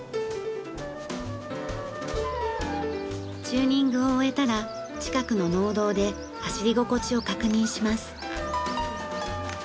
チューニングを終えたら近くの農道で走り心地を確認します。